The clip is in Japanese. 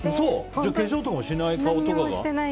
じゃあ化粧とかもしない顔とか？